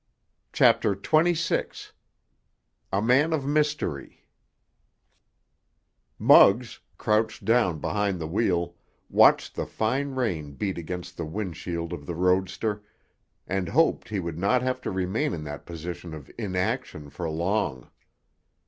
CHAPTER XXVI—A MAN OF MYSTERY Muggs, crouched down behind the wheel, watched the fine rain beat against the wind shield of the roadster, and hoped he would not have to remain in that position of inaction for long.